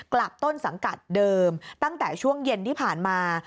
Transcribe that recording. กลับต้นสังกัดเดิมตั้งแต่ช่วงเย็นที่ผ่านมา